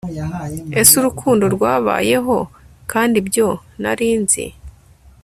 ese urukundo rwabayeho, kandi ibyo nari nzi ..